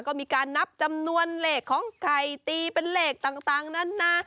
ก็มีการนับจำนวนเลขของไข่ตีเป็นเลขต่างนั้นนะ